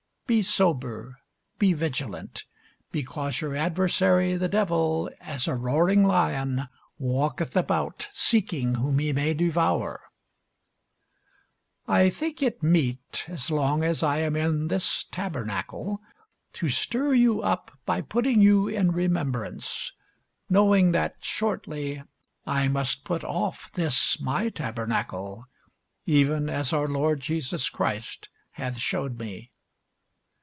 Be sober, be vigilant; because your adversary the devil, as a roaring lion, walketh about, seeking whom he may devour. [Sidenote: I. Peter 2] I think it meet, as long as I am in this tabernacle, to stir you up by putting you in remembrance; knowing that shortly I must put off this my tabernacle, even as our Lord Jesus Christ hath shewed me.